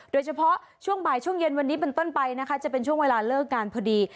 ช่วงบ่ายช่วงเย็นวันนี้เป็นต้นไปนะคะจะเป็นช่วงเวลาเลิกงานพอดี